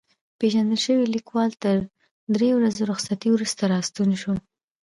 پېژندل شوی لیکوال تر درې ورځو رخصتۍ وروسته راستون شو.